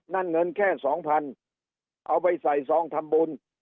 เงินแค่สองพันเอาไปใส่ซองทำบุญ